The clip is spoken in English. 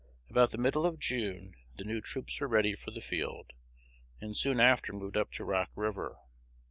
About the middle of June the new troops were ready for the field, and soon after moved up to Rock River.